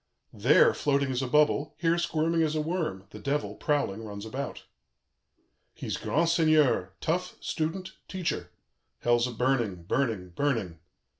"There floating as a bubble, here squirming as a worm, the Devil, prowling, runs about. "He's grand seigneur, tough, student, teacher. Hell's a burning, burning, burning.